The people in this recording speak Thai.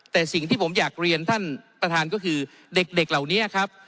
แต่สิ่งที่ผมอยากเรียนท่านประธานก็คือเด็กเหล่านี้ครับ